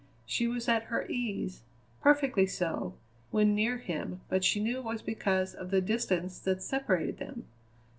She was at her ease, perfectly so, when near him, but she knew it was because of the distance that separated them.